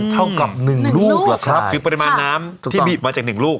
เท่ากับหนึ่งลูกเหรอครับคือปริมาณน้ำที่บีบมาจากหนึ่งลูก